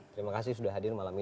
terima kasih sudah hadir malam ini